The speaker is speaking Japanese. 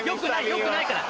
よくないから。